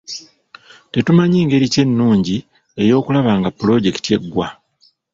Tetumanyi ngeri ki ennungi ey'okulaba nga pulojekiti eggwa.